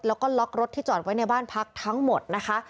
แล้วก็ล็อกรถที่จอดไว้ในบ้านพักทั้งหมดนะคะ